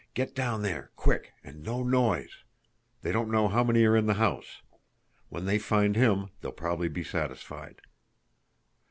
"Get down there quick! And no noise! They don't know how many are in the house. When they find HIM they'll probably be satisfied."